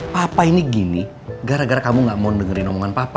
papa ini gini gara gara kamu gak mau dengerin omongan papa